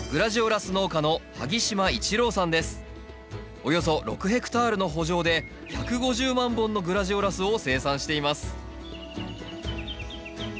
およそ６ヘクタールの圃場で１５０万本のグラジオラスを生産しています